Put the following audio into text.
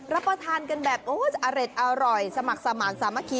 รับประทานกันแบบโอ้อร่อยสมัครสมาธิสามัคคี